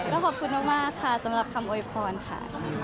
ขอบคุณมากค่ะสำหรับคำโวยพรค่ะ